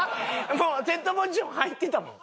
もうセットポジション入ってたもん。